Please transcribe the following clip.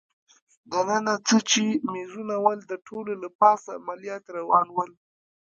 دننه څه چي مېزونه ول، د ټولو له پاسه عملیات روان ول.